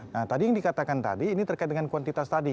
nah tadi yang dikatakan tadi ini terkait dengan kuantitas tadi